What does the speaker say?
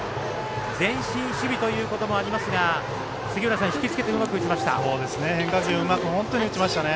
前進守備ということもありますが引き付けてうまく打ちましたね。